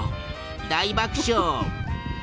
大爆笑。